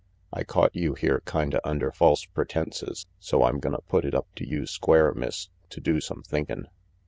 I caught you here, kinda under false pretences, so I'm gonna put it up to you square, Miss, to do some thinkin'.